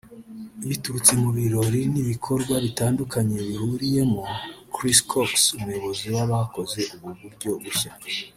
biturutse mu birori n’ibikorwa bitandukanye bahuriyemo”Chris cox umuyobozi w’abakoze ubu buryo bushya